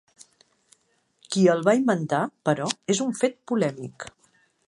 Qui el va inventar, però, és un fet polèmic.